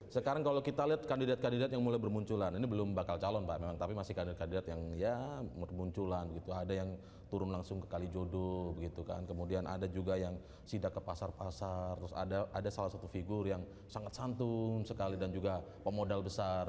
sekarang kalau kita lihat kandidat kandidat yang mulai bermunculan ini belum bakal calon mbak memang tapi masih kandidat yang ya munculan gitu ada yang turun langsung ke kalijodo kemudian ada juga yang sidak ke pasar pasar terus ada salah satu figur yang sangat santun sekali dan juga pemodal besar